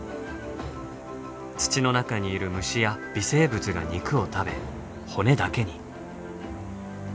土の中にいる虫や微生物が肉を食べ骨だけに。